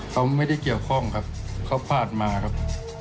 เขาไม่ได้เกี่ยวข้องครับเขาพลาดมาครับ